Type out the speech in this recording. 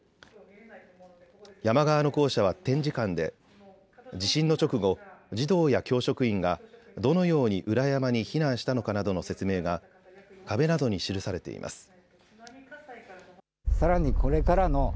山側の校舎は展示館で地震の直後、児童や教職員がどのように裏山に避難したのかなどの説明が壁などに記されています。